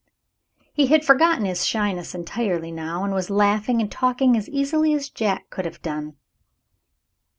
He had forgotten his shyness entirely now, and was laughing and talking as easily as Jack could have done.